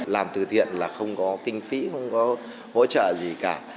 làm từ thiện là không có kinh phí không có hỗ trợ gì cả